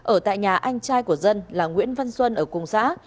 ở tại nhà anh trai của dân là nguyễn văn xuân ở cùng xã